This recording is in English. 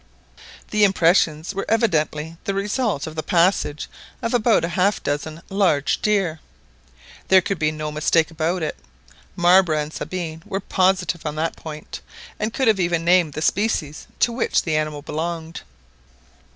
The impressions were evidently the result of the passage of about half a dozen large deer. There could be no mistake about it; Marbre and Sabine were positive on that point, and could even have named the species to which the animals belonged.